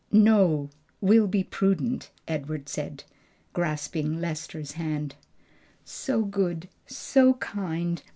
"No; we'll be prudent," Edward said, grasping Lester's hand. "So good! so kind!